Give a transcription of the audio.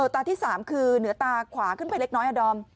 ตาที่๓คือเหนือตาขวาขึ้นไปเล็กน้อยอะดอม